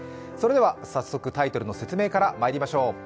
それでは早速タイトルの説明からまいりましょう。